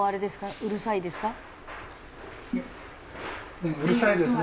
うるさいですね。